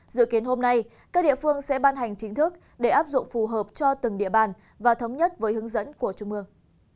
dự kiến hôm nay các địa phương sẽ ban hành chính thức để áp dụng phù hợp cho từng địa bàn và thống nhất với hướng dẫn của trung ương